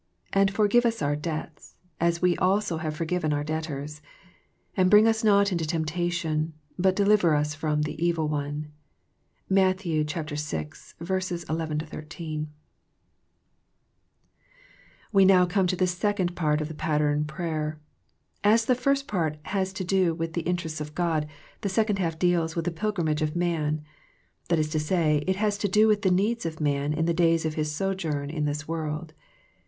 And forgive us our debts, as we also have forgiven our debtors. And bring us not into temp tation, but deliver us from the evil one." — Matthew 6 : 11 13. YI THE PLANE OF PRAYER (b) The Pilgrimage of Man We now coine to the second part of the pattern prayer. As the first part has to do with the in terests of God, the second half deals with the pil grimage of man ; that is to say, it has to do with the needs of man in the days of his sojourn in this world.